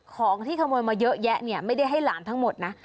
ของที่ขโมยมาเยอะแยะเนี่ยไม่ได้ให้หลานทั้งหมดนะ